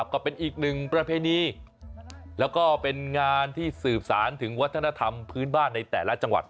ก็เป็นอีกหนึ่งประเพณีแล้วก็เป็นงานที่สืบสารถึงวัฒนธรรมพื้นบ้านในแต่ละจังหวัด